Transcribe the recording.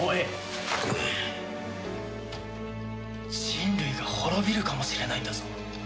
人類が滅びるかもしれないんだぞ。